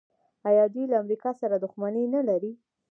آیا دوی له امریکا سره دښمني نلري؟